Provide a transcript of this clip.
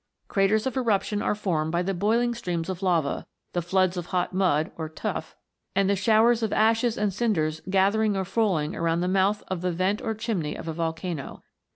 Craters of eruption are formed by the boiling streams of lava, the floods of hot mud, or tuf, and the showers of ashes and cinders gathering or falling around the mouth of the vent or chimney of a volcano.